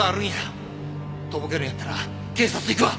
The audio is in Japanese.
とぼけるんやったら警察行くわ。